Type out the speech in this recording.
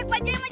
eh tante tante